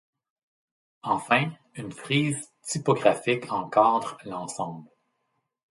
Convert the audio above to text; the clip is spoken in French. Enfin, une frise typographique encadre l’ensemble.